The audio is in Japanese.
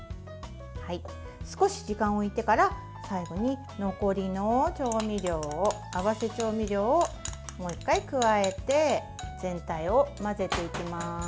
少し時間を置いてから最後に残りの合わせ調味料をもう１回加えて全体を混ぜていきます。